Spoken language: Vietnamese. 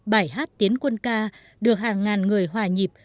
bài hát tiến quân ca được hàng ngàn người hòa nhịp